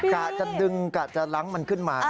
กะจะดึงกะจะล้างมันขึ้นมา